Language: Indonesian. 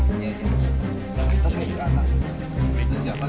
terus ini ke atas